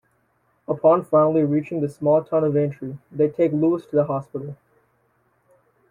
Upon finally reaching the small town of Aintry, they take Lewis to the hospital.